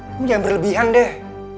kamu jangan berlebihan deh